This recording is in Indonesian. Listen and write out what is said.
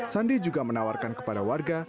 sandi juga menawarkan kepada warga